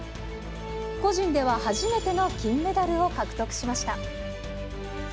個人では初めての金メダルを獲得しました。